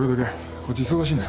こっち忙しいんだ。